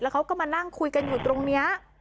เขาก็มานั่งคุยกันอยู่ตรงนี้